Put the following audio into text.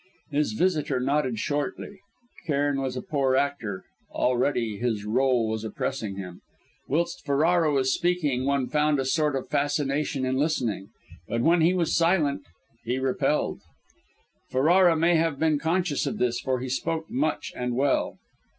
His visitor nodded shortly. Cairn was a poor actor; already his rôle was oppressing him. Whilst Ferrara was speaking one found a sort of fascination in listening, but when he was silent he repelled. Ferrara may have been conscious of this, for he spoke much, and well.